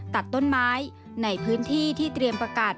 ตัดต้นไม้ในพื้นที่ที่เตรียมประกาศ